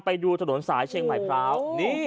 ไปดูถนนสายเชียงใหม่พร้าว